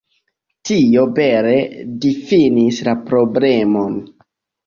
Tio bele difinis la problemon.